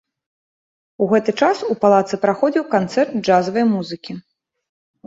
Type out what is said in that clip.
У гэты час у палацы праходзіў канцэрт джазавай музыкі.